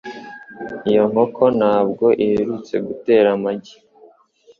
Iyo nkoko ntabwo iherutse gutera amagi